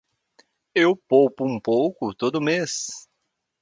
Eu poupo um pouco todo mês.